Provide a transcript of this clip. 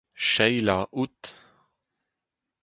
Sheila out.